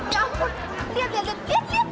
ya ampun lihat lihat lihat